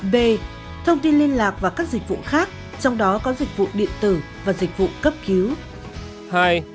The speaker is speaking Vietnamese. b thông tin liên lạc và các dịch vụ khác trong đó có dịch vụ điện tử và dịch vụ cấp cứu